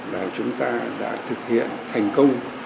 là chúng ta đã thực hiện thành công